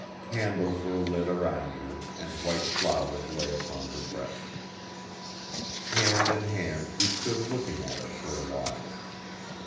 Candles were lit around her, and white flowers lay upon her breast. Hand in hand we stood looking at her for a while.